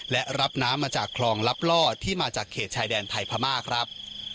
และรับน้ำมาจากคลองลับล่อที่มาจากเขตชายแดนไทยพม่าครับ